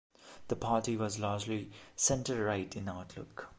The party was largely centre-right in outlook.